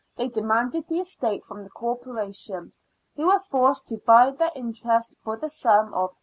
they demanded the estate from the Corporation, who were forced to buy their interest for the sum of £'^0.